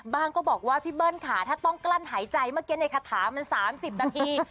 ก็บอกว่าพี่เบิ้ลค่ะถ้าต้องกลั้นหายใจเมื่อกี้ในคาถามัน๓๐นาที